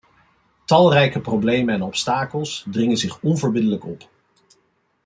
Talrijke problemen en obstakels dringen zich onverbiddelijk op.